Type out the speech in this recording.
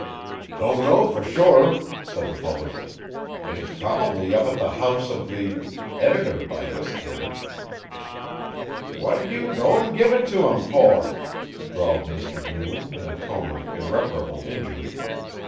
'Don't know for sure,' said the publisher, 'it's probably up at the house of the editor by this time. 'What did you go 'n give it to him for?' drawled Mr Greeley in a tone of irreparable injury.